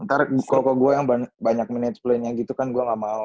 ntar koko gue yang banyak men explain nya gitu kan gue gak mau